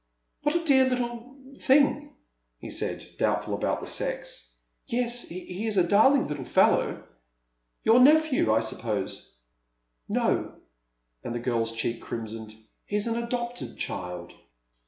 " What a dear little — thing !" he said, doubtful about the sex. " Yes, he is a darling little fellow." " Your nephew, I suppose ?" "No," and the girl's cheek crimsoned, "he's an adopted child."